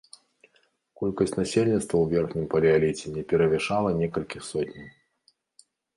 Колькасць насельніцтва ў верхнім палеаліце не перавышала некалькіх сотняў.